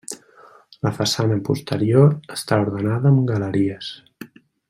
La façana posterior està ordenada amb galeries.